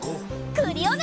クリオネ！